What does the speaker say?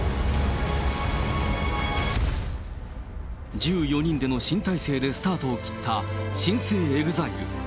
１４人での新体制でスタートを切った、新生ＥＸＩＬＥ。